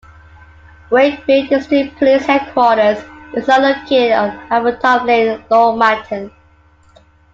Wakefield District police headquarters is now located on Havertop Lane, Normanton.